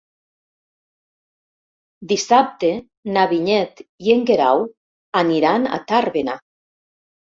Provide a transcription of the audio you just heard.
Dissabte na Vinyet i en Guerau aniran a Tàrbena.